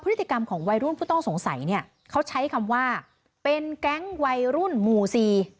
พฤติกรรมของวัยรุ่นผู้ต้องสงสัยเนี่ยเขาใช้คำว่าเป็นแก๊งวัยรุ่นหมู่สี่